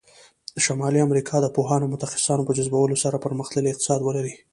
شمالي امریکا د پوهانو او متخصصانو په جذبولو سره پرمختللی اقتصاد ولری.